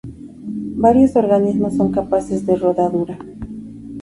Varios organismos son capaces de rodadura.